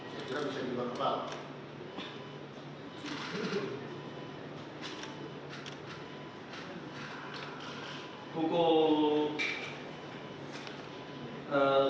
saya kira bisa diberi pembahasan